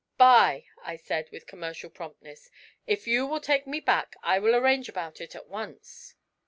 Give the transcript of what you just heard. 'Buy!' I said, with commercial promptness. 'If you will take me back, I will arrange about it at once.'